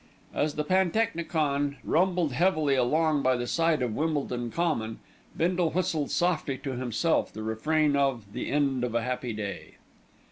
As the pantechnicon rumbled heavily along by the side of Wimbledon Common, Bindle whistled softly to himself the refrain of "The End of a Happy Day."